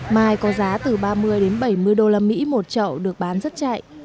mai có giá từ ba mươi đến bảy mươi đô la mỹ một trậu được bán rất chạy